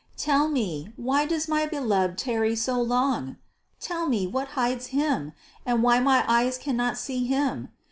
Tell me, why does my Beloved tarry so long? Tell me, what hides Him, and why my eyes cannot see Him?